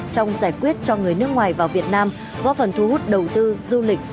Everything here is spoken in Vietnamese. trong giải quyết cho người nước ngoài vào việt nam góp phần thu hút đầu tư du lịch